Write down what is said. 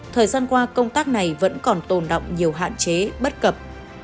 thời gian qua công tác này vẫn còn tồn động nhiều hạn chế bất cập